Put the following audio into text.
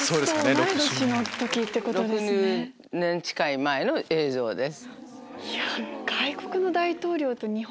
６０年近い前の映像です。